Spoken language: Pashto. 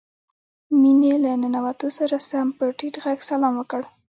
مينې له ننوتو سره سم په ټيټ غږ سلام وکړ.